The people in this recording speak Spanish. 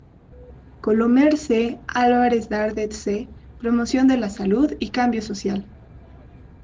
Colomer C, Álvarez-Dardet C. Promoción de la salud y cambio social.